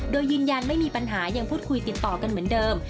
โดยยืนยันไม่มีปัญหายังพูดคุยติดต่อกันเหมือนเดิม